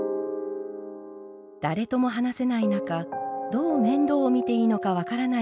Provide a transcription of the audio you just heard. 誰とも話せない中どう面倒を見ていいのか分からない